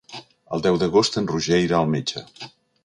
El deu d'agost en Roger irà al metge.